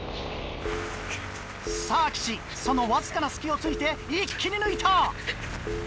さぁ岸そのわずかな隙を突いて一気に抜いた！